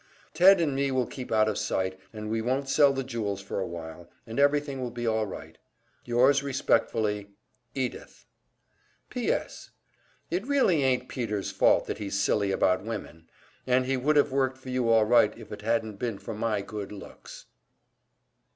Ted and me will keep out of sight, and we won't sell the jewels for a while, and everything will be all right. "Yours respectfully, "Edythe. "P. S. It really ain't Peter's fault that he's silly about women, and he would have worked for you all right if it hadn't been for my good looks!"